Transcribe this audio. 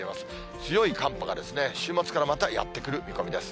強い寒波が週末からまたやって来る見込みです。